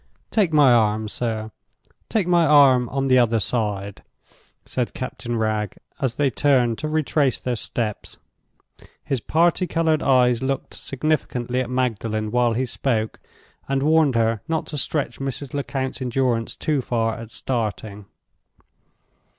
"Take my arm, sir—take my arm on the other side," said Captain Wragge, as they turned to retrace their steps. His party colored eyes looked significantly at Magdalen while he spoke, and warned her not to stretch Mrs. Lecount's endurance too far at starting.